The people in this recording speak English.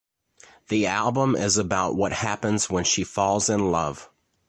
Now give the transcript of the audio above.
The album is about what happens when she falls in love.